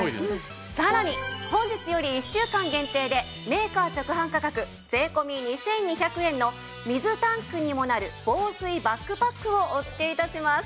さらに本日より１週間限定でメーカー直販価格税込２２００円の水タンクにもなる防水バックパックをお付け致します。